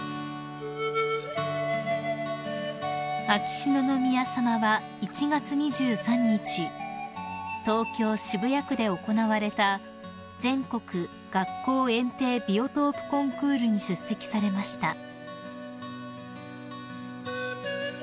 ［秋篠宮さまは１月２３日東京渋谷区で行われた全国学校・園庭ビオトープコンクールに出席されました］